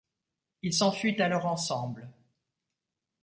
Ils s'enfuient alors ensemble.